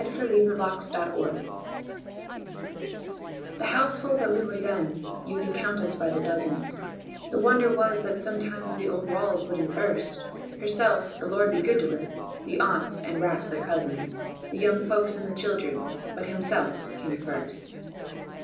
SONGS OF HIMSELF HIMSELF The houseful that we were then, you could count us by the dozens, The wonder was that sometimes the old walls wouldn't burst: Herself (the Lord be good to her!), the aunts and rafts of cousins, The young folks and the children, but Himself came first.